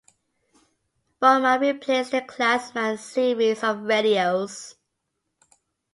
Bowman replaced the Clansman series of radios.